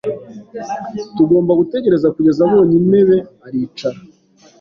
Tugomba gutegereza kugeza abonye intebe aricara.